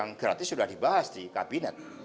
yang gratis sudah dibahas di kabinet